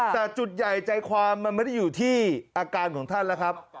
แต่จุดใหญ่ใจความมันไม่ได้อยู่ที่อาการของท่านแล้วครับ